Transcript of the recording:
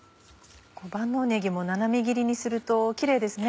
万能ねぎも斜め切りにするとキレイですね。